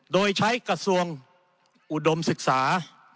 โดยใช้กระทรวงอุดมศึกษา